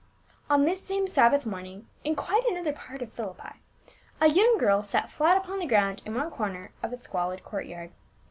On this same Sabbath morning in quite another part of Philippi, a young girl sat flat upon the giound in one corner of a squalid courtyard.